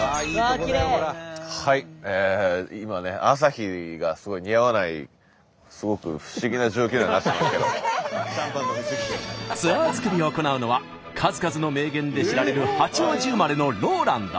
はい今ねツアー作りを行うのは数々の名言で知られる八王子生まれのＲＯＬＡＮＤ。